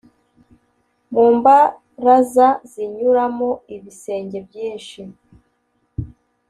mu mbaraza zinyuramo ibisenge byinshi